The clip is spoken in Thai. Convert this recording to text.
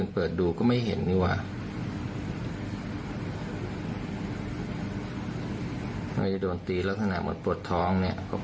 ไปดูภาพกันครับ